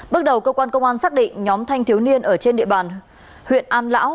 bước đầu cơ quan công an xác định nhóm thanh thiếu niên ở trên địa bàn huyện an lão